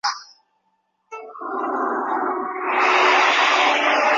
这一结论被称为蒙日圆。